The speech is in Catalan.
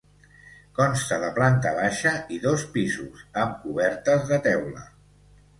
Consta de planta baixa i dos pisos, amb cobertes de teula.